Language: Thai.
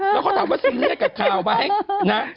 แล้วเขาถามว่าซีเรียสกับข่าวไหมนะ